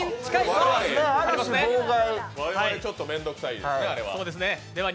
我々、ちょっと面倒くさいですね、あれは。